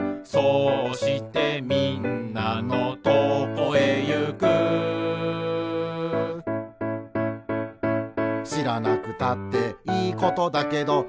「そうしてみんなのとこへゆく」「しらなくたっていいことだけど」